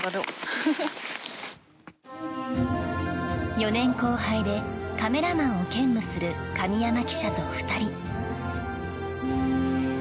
４年後輩でカメラマンを兼務する神山記者と２人。